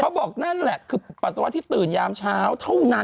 บอกนั่นแหละคือปัสสาวะที่ตื่นยามเช้าเท่านั้น